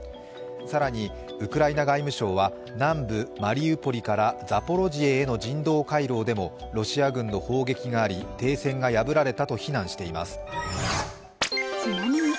更に、ウクライナ外務省は、南部マリウポリからザポロジエへの人道回廊でもロシア軍の砲撃があり停戦が破られたと非難しています。